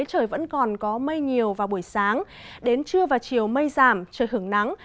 trời vẫn còn có mây nhiều vào buổi sáng đến trưa và chiều mây giảm trời hưởng nắng